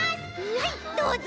はいどうぞ。